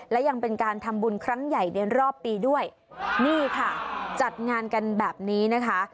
และยังเป็นการทำบุญครั้งใหญ่ในรอบปีด้วยนี่ค่ะจัดงานกันแบบนี้นะคะ